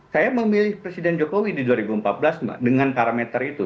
saya memilih presiden jokowi di dua ribu empat belas mbak dengan parameter itu